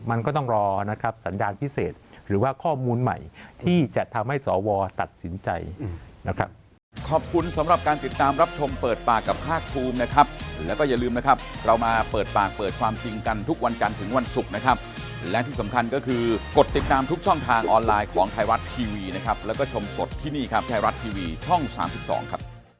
มันก็ต้องรอนะครับสัญญาณพิเศษหรือว่าข้อมูลใหม่ที่จะทำให้สวตัดสินใจนะครับ